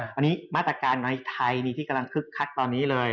วันนี้มาตรการในไทยนี่ที่กำลังคึกคักตอนนี้เลย